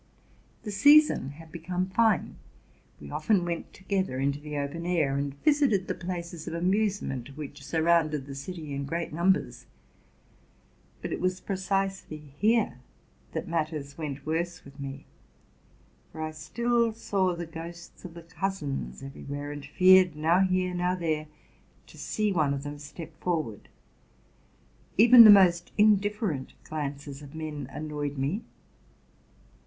The season had become fine: we often went together into the open air, and visited the places of amusement which surrounded the city in great numbers. But it was precisely here that matters went worse with me; for I still saw the ghosts of the cousins everywhere, and feared, now here, now there, to see one of them step forward. Even the most indifferent glances of men annoyed me.